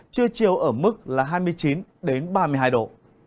trưa chiều ở mức là hai mươi chín ba mươi hai độ